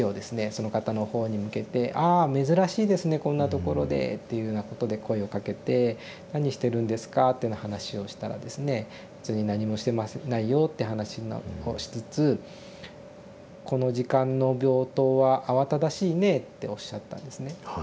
そのかたのほうに向けて「ああ珍しいですねこんなところで」っていうようなことで声をかけて「何してるんですか？」というような話をしたらですね「別に何もしてないよ」って話をしつつ「この時間の病棟は慌ただしいね」っておっしゃったんですね。